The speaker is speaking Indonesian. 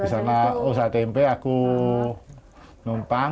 di sana usaha tempe aku numpang